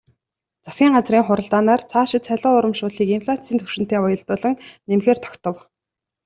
Засгийн газрын хуралдаанаар цаашид цалин урамшууллыг инфляцын түвшинтэй уялдуулан нэмэхээр тогтов.